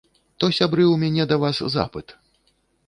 То, сябры, у мяне да вас запыт.